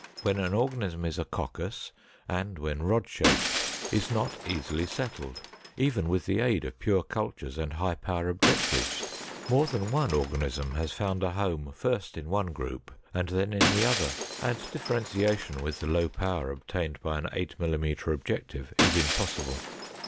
When an organism is a coccus and when rod shaped is not easily settled, even with the aid of pure cultures and high power objectives. More than one organism has found a home first in one group and then in the other, and differentiation with the low power obtained by an 8 mm objective is impossible.